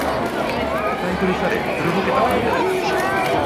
使い古され、古ぼけた紙だった